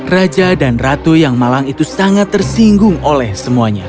raja dan ratu yang malang itu sangat tersinggung oleh semuanya